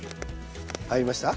入りました？